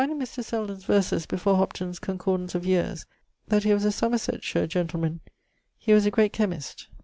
I find in Mr. Selden's verses before Hopton's 'Concordance of Yeares,' that he was a Somersetshire gentleman. He was a great chymist.